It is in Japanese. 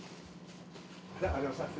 じゃありがとうございました。